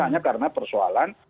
hanya karena persoalan